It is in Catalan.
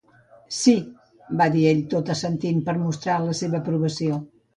"Sí", va dir ell, tot assentint per mostrar la seva aprovació.